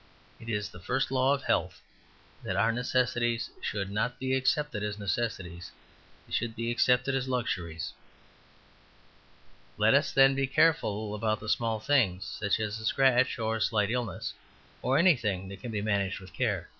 It is the first law of health that our necessities should not be accepted as necessities; they should be accepted as luxuries. Let us, then, be careful about the small things, such as a scratch or a slight illness, or anything that can be managed with care.